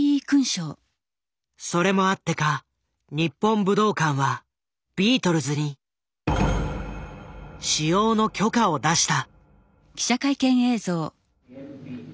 それもあってか日本武道館はビートルズに使用の許可を出した。